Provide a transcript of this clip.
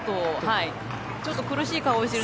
ちょっと苦しい顔をしてる。